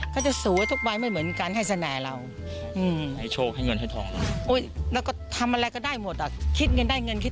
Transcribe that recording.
ตอนนี้มันสวยจังอะไรอย่างนี้